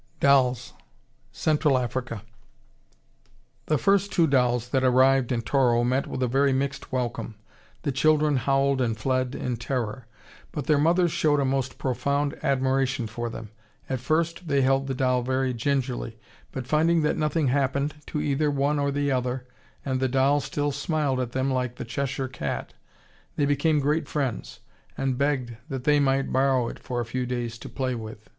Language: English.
DOLLS, CENTRAL AFRICA The first two dolls that arrived in Toro met with a very mixed welcome; the children howled and fled in terror, but their mothers showed a most profound admiration for them. At first they held the doll very gingerly, but finding that nothing happened to either one or the other, and the doll still smiled at them like the Cheshire cat, they became great friends, and begged that they might borrow it for a few days to play with.